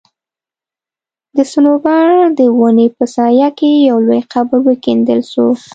د صنوبر د وني په سايه کي يو لوى قبر وکيندل سو